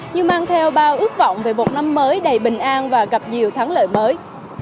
như mang theo bao ước vọng về một năm mới đầy bình an và gặp nhiều thắng lợi mới